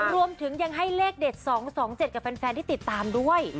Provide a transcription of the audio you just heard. รวมถึงยังให้เลขเด็ด๒๒๗กับแฟนที่ติดตามด้วย